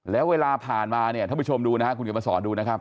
แล้วเวลาผ่านมาเนี่ยถ้าผู้ชมดูนะฮะคุณก็มาสอนดูนะครับ